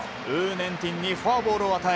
ネンティンにフォアボールを与え